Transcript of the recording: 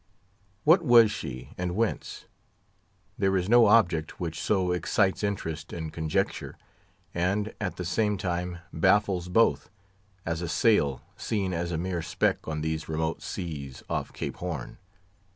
What was she, and whence? There is no object which so excites interest and conjecture, and, at the same time, baffles both, as a sail, seen as a mere speck on these remote seas off Cape Horn.